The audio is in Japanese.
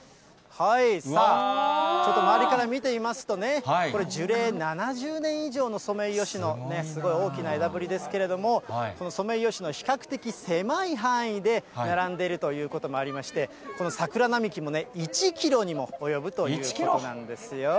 さあ、ちょっと周りから見てみますとね、これ樹齢７０年以上のソメイヨシノ、すごい大きな枝ぶりですけれども、そのソメイヨシノ、比較的狭い範囲で並んでいるということもありまして、この桜並木もね、１キロにも及ぶということなんですよ。